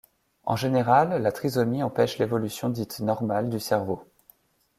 En général, la trisomie empêche l'évolution dite normale du cerveau.